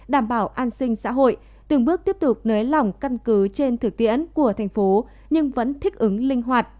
đảm bảo an sinh xã hội từng bước tiếp tục nới lỏng căn cứ trên thực tiễn của thành phố nhưng vẫn thích ứng linh hoạt